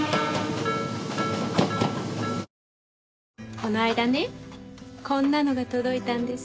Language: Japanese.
この間ねこんなのが届いたんです。